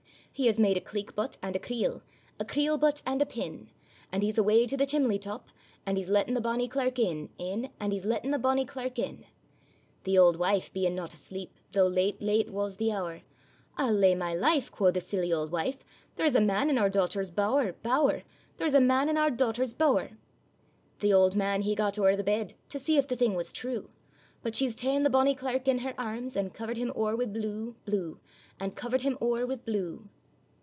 He has made a cleek but and a creel— A creel but and a pin; And he's away to the chimley top, And he's letten the bonny clerk in, in; And he's letten the bonny clerk in. The auld wife, being not asleep, Tho' late, late was the hour; I'll lay my life,' quo' the silly auld wife, 'There's a man i' our dochter's bower, bower; There's a man i' our dochter's bower.' The auld man he gat owre the bed, To see if the thing was true; But she's ta'en the bonny clerk in her arms, And covered him owre wi' blue, blue; And covered him owre wi' blue.